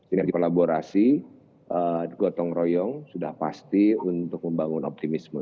sinergi kolaborasi gotong royong sudah pasti untuk membangun optimisme